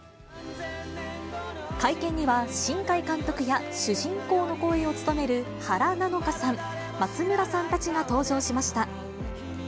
会見には新海監督や、主人公の声を務める原菜乃華さん、松村さんたちが登場しました。